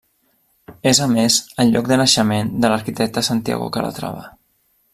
És a més el lloc de naixement de l'arquitecte Santiago Calatrava.